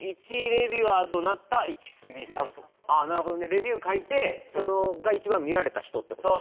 レビュー書いてそれが一番見られた人ってことね